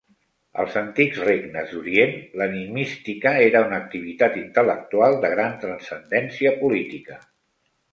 Als antics regnes d'Orient, l'enigmística era una activitat intel·lectual de gran transcendència política.